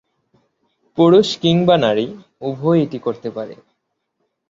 পুরুষ কিংবা নারী উভয়েই এটি করতে পারে।